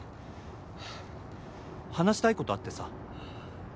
話したい事あってさ。